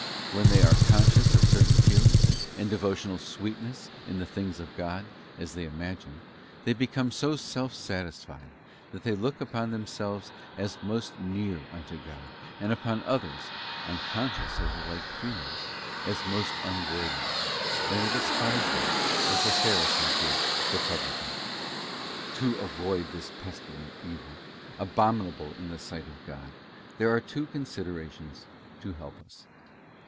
When they are conscious of certain feelings, and devotional sweetness in the things of God, as they imagine, they become so self satisfied, that they look upon themselves as most near unto God, and upon others, unconscious of the like feelings, as most unworthy, and they despise them as the Pharisee did the Publican. To avoid this pestilent evil, abominable in the sight of God, there are two considerations to help us.